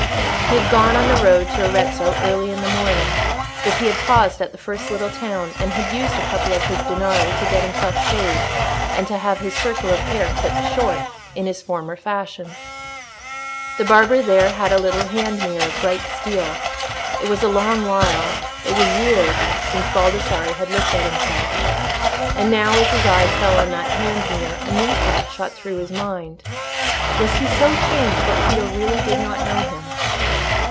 He had gone on the road to Arezzo early in the morning; but he had paused at the first little town, and had used a couple of his danari to get himself shaved, and to have his circle of hair clipped short, in his former fashion. The barber there had a little hand mirror of bright steel: it was a long while, it was years, since Baldassarre had looked at himself, and now, as his eyes fell on that hand mirror, a new thought shot through his mind. "Was he so changed that Tito really did not know him?"